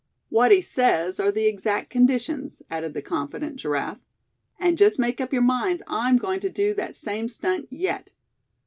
"What he says are the exact conditions," added the confident Giraffe. "And just make up your minds I'm going to do that same stunt yet.